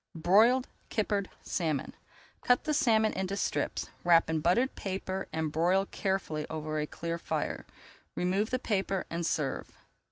BROILED KIPPERED SALMON Cut the salmon into strips, wrap in buttered paper, and broil carefully over a clear fire. Remove the paper and serve.